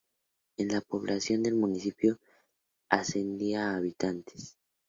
En la población del municipio ascendía a habitantes.